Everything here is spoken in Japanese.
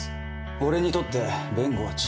俺にとって弁護は治療だ。